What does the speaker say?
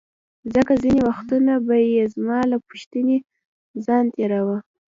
ځکه ځیني وختونه به یې زما له پوښتنې ځان تیراوه.